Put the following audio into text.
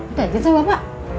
udah ijin sama pak